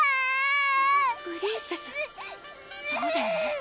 プリンセスそうだよね